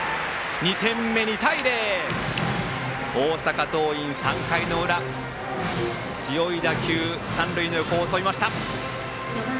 ２点目、２対０。大阪桐蔭、３回の裏強い打球三塁の横を襲いました。